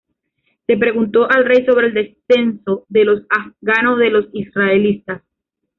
Se preguntó al rey sobre el descenso de los afganos de los israelitas.